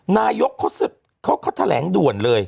นายกเขาแถลงด่วนเลย